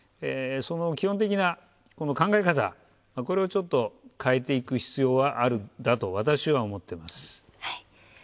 基本的な考え方、これをちょっと変えていく必要はあるんだと私は思っています。